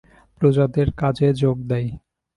প্রজাদের কাজে যােগ দেয়।